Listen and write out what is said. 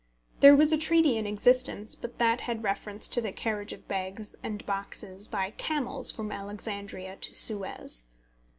There was a treaty in existence, but that had reference to the carriage of bags and boxes by camels from Alexandria to Suez.